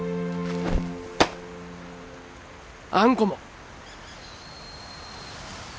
あんこも。